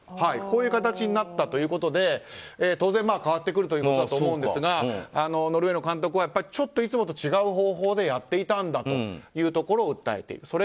こういう形になったということで当然変わってくるということだと思うんですがノルウェーの監督はちょっといつもと違う方法でやっていたんだというところを訴えている。